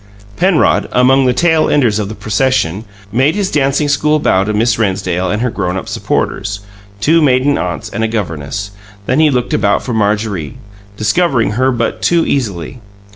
Penrod, among the tail enders of the procession, made his dancing school bow to Miss Rennsdale and her grown up supporters (two maiden aunts and a governess) then he looked about for Marjorie, discovering her but too easily.